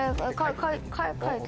書いて。